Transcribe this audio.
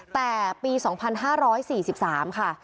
แต่ปี๒๕๔๓ค่ะ